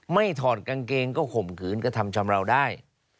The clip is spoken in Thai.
ถอดกางเกงก็ข่มขืนกระทำชำราวได้